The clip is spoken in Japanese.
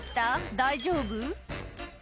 大丈夫？」